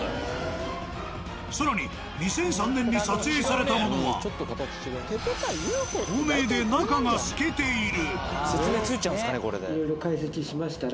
更に２００３年に撮影されたものは透明で中が透けている。